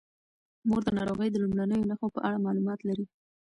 مور د ناروغۍ د لومړنیو نښو په اړه معلومات لري.